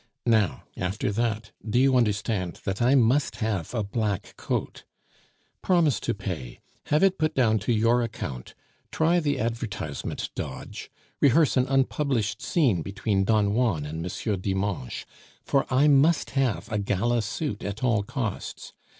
Now, after that, do you understand that I must have a black coat? Promise to pay; have it put down to your account, try the advertisement dodge, rehearse an unpublished scene between Don Juan and M. Dimanche, for I must have a gala suit at all costs.